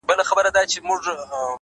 • دلته څنګه زما پر کور بل سوی اور دی ,